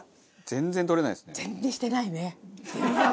全然してないね。